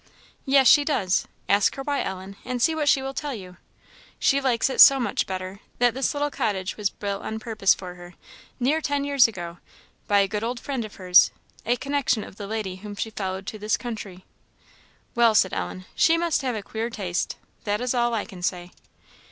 "Yes, she does. Ask her why, Ellen, and see what she will tell you. She likes it so much better, that this little cottage was built on purpose for her, near ten years ago, by a good old friend of hers, a connection of the lady whom she followed to this country." "Well," said Ellen, "she must have a queer taste that is all I can say."